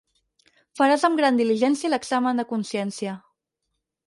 Faràs amb gran diligència l'examen de consciència.